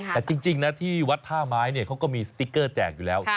แต่จริงนะที่วัดท่าไม้เขาก็มีสติ๊กเกอร์แจกอยู่แล้ว